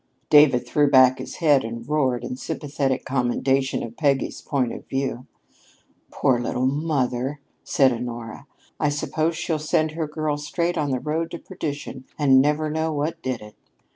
'" David threw back his head and roared in sympathetic commendation of Peggy's point of view. "Poor little mother," sighed Honora. "I suppose she'll send her girl straight on the road to perdition and never know what did it."